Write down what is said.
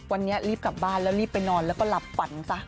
วันนี้รีบกลับบ้านแล้วรีบไปนอนแล้วก็หลับฝันซะ